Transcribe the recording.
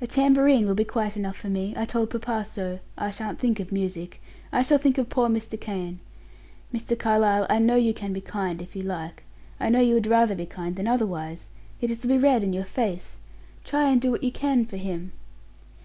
"A tambourine will be quite enough for me; I told papa so, I shan't think of music; I shall think of poor Mr. Kane. Mr. Carlyle I know you can be kind if you like; I know you would rather be kind than otherwise it is to be read in your face. Try and do what you can for him."